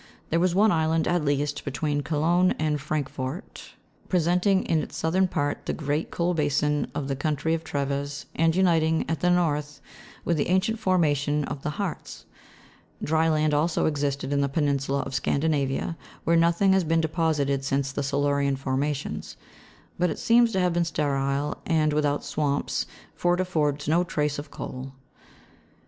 There was one island, at least, between Cologne and Francfort, presenting in its southern part the great coal basin of the country of Treves, and uniting, at the north, with the ancient formation of the Hartz. Dry land also existed in the peninsula of Scandinavia, where nothing has been deposited since the Silurian formations ; but it seems to have been sterile, and without swamps, for it affords no trace of coal.